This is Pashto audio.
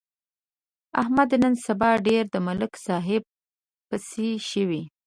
احمد نن سبا ډېر د ملک صاحب پسې شوی.